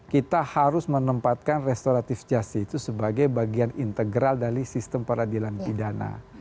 kita harus menempatkan restoratif justice itu sebagai bagian integral dari sistem peradilan pidana